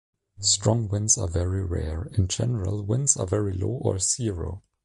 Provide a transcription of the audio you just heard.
Strong winds are very rare, in general, winds are very low or zero.